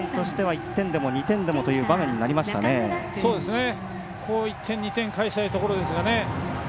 １点、２点返したいところですね。